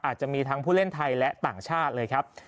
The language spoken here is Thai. อาจจะมีทั้งผู้เล่นไทยและต่างชาติเลยครับ